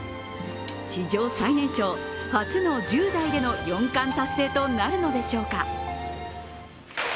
史上最年少、初の１０代での四冠達成となるのでしょうか。